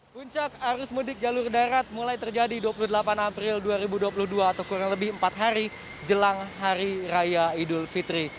puncak arus mudik jalur darat mulai terjadi dua puluh delapan april dua ribu dua puluh dua atau kurang lebih empat hari jelang hari raya idul fitri